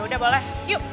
yaudah boleh yuk